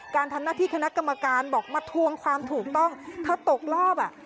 การทำหน้าที่คณะกรรมการบอกมาทวงความถูกต้องเธอตกรอบอ่ะ